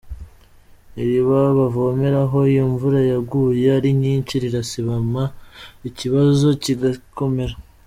Iriba bavomeraho iyo imvura yaguye ari nyinshi rirasibama ikibazo kigakomera.